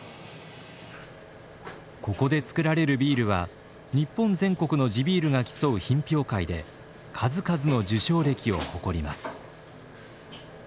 ここで造られるビールは日本全国の地ビールが競う品評会で数々の受賞歴を誇ります。